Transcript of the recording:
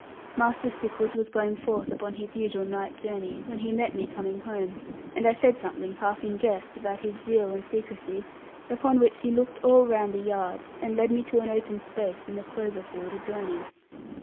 Master Stickles was going forth upon his usual night journey, when he met me coming home, and I said something half in jest, about his zeal and secrecy; upon which he looked all round the yard, and led me to an open space in the clover field adjoining.